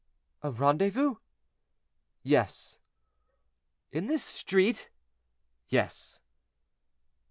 "A rendezvous?" "Yes." "In this street?" "Yes."